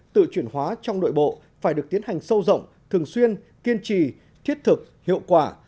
tự chuyển hóa trong nội bộ phải được tiến hành sâu rộng thường xuyên kiên trì thiết thực hiệu quả